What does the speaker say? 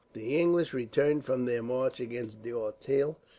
The English returned from their march against D'Auteuil.